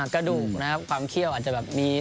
กระดูกนะครับความเขี้ยวอาจจะแบบมี